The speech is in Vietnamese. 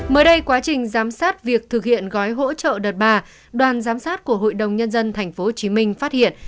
mới đây quá trình giám sát việc thực hiện gói hỗ trợ đợt ba đoàn giám sát của hội đồng nhân dân tp hcm phát hiện